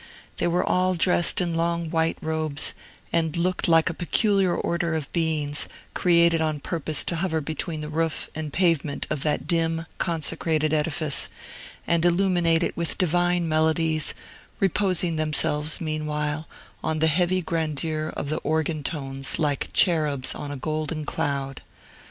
They were all dressed in long white robes, and looked like a peculiar order of beings, created on purpose to hover between the roof and pavement of that dim, consecrated edifice, and illuminate it with divine melodies, reposing themselves, meanwhile, on the heavy grandeur of the organ tones like cherubs on a golden cloud.